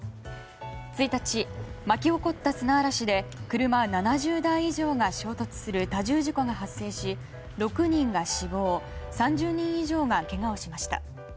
１日、巻き起こった砂嵐で車７０台以上が衝突する多重事故が発生し６人が死亡３０人以上がけがをしました。